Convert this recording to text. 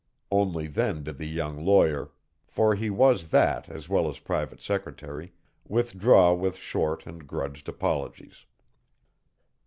Only then did the young lawyer for he was that as well as private secretary withdraw with short and grudged apologies.